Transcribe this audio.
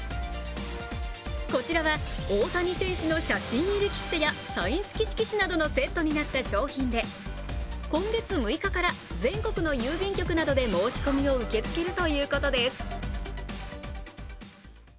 こちらは大谷選手の写真入り切手やサイン付き色紙などのセットになった商品で今月６日から全国の郵便局などで申し込みを受け付けるということです。